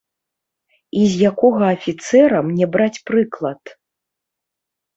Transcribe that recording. І з якога афіцэра мне браць прыклад?